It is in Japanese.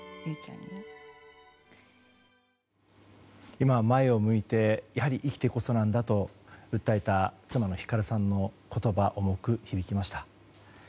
今前を向いて生きてこそなんだと訴えた妻・光さんの言葉重く響きました。